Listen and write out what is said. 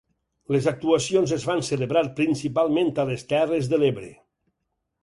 Les actuacions es van celebrar principalment a les Terres de l'Ebre.